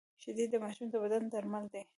شیدې د ماشوم د بدن درمل دي